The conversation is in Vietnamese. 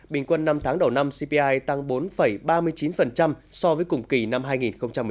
bình quân năm tháng đầu năm cpi tăng bốn ba mươi chín so với cùng kỳ năm hai nghìn một mươi chín